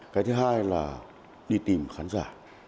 cái thứ hai là đi tìm khán giả